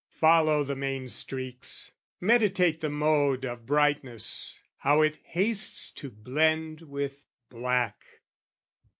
Follow the main streaks, meditate the mode Of brightness, how it hastes to blend with black!